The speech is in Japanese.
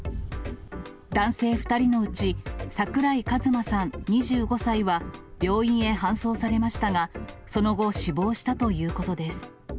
男性２人のうち、桜井一真さん２５歳は病院へ搬送されましたがその後、死亡したということです。